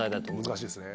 難しいですね。